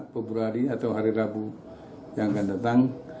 februari atau hari rabu yang akan datang